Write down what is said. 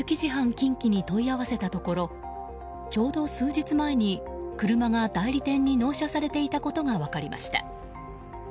近畿に問い合わせたところちょうど数日前に車が代理店に納車されていたことが分かりました。